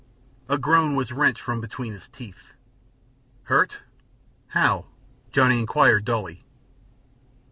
A groan was wrenched from between his teeth. "Hurt? How?" Johnny inquired, dully.